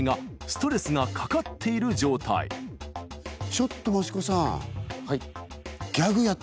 ちょっと益子さん。